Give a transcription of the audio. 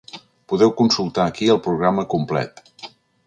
Podeu consultar aquí el programa complet.